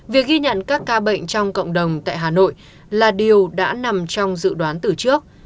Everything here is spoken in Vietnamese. việc ghi nhận các ca bệnh trong cộng đồng tại hà nội là điều đã nằm trong dự đoán từ trước